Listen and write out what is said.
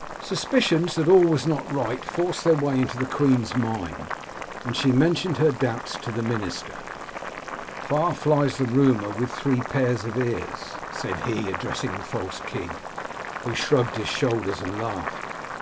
" Suspicions that all was not right forced their way into the queen's mind, and she mentioned her doubts to the minister. * Far flies rumour with three pairs of ears,* said he, addressing the false king, who shrugged his shoulders, and laughed.